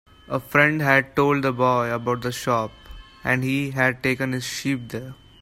A friend had told the boy about the shop, and he had taken his sheep there.